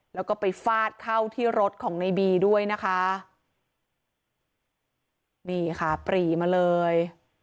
แล้วก็ไปฟาดเข้าที่รถของในบีด้วยนะคะนี่ค่ะปรีมาเลย